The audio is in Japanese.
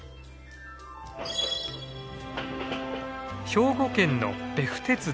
兵庫県の別府鉄道。